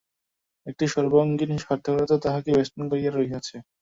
একটি সর্বাঙ্গীণ সার্থকতা তাহাকে বেষ্টন করিয়া রহিয়াছে।